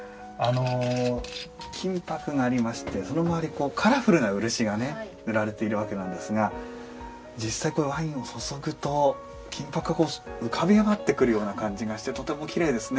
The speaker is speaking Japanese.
金ぱくがありましてその周りカラフルな漆が塗られているわけなんですが実際ワインを注ぐと金ぱく浮かび上がってくるような感じがしてとてもきれいですね。